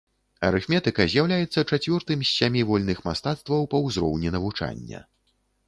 Арыфметыка з'яўляецца чацвёртым з сямі вольных мастацтваў па ўзроўні навучання.